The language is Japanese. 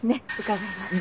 伺います。